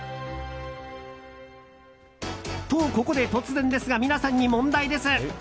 と、ここで突然ですが皆さんに問題です。